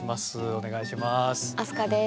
お願いします。